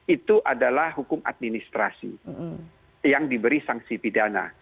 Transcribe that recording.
itu adalah hukum administrasi yang diberi saksipidana